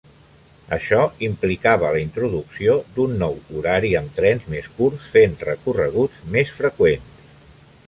Això implicava la introducció d'un nou horari amb trens més curts fent recorreguts més freqüents.